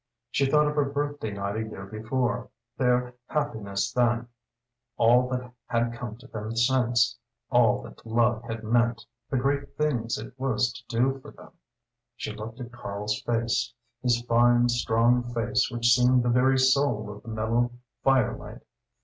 She thought of her birthday night a year before, their happiness then, all that had come to them since, all that love had meant, the great things it was to do for them. She looked at Karl's face his fine, strong face which seemed the very soul of the mellow fire light.